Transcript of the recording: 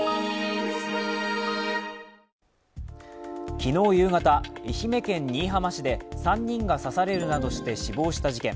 昨日夕方、愛媛県新居浜市で３人が刺されるなどして死亡した事件。